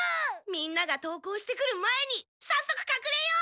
みんなが登校してくる前にさっそくかくれよう！